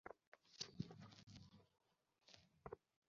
যারীদ ধপাস করে সামনের দিকে হুমড়ি খেয়ে পড়ে যায়।